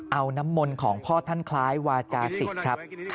เอาน้ำมนต์ของพ่อท่านคล้ายวาจาศิษย์ครับ